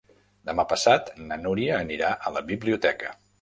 Demà passat na Núria anirà a la biblioteca.